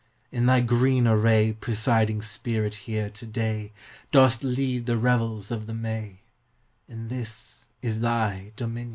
in thy green array, Presiding Spirit here to day, Dost lead the revels of the May; And this is thy dominion.